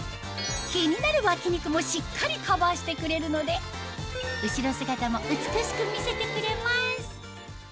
気になる脇肉もしっかりカバーしてくれるので後ろ姿も美しく見せてくれます